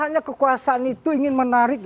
hanya kekuasaan itu ingin menarik